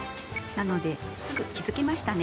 なのですぐ気付けましたね。